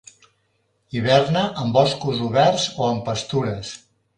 Hiverna en boscos oberts o en pastures.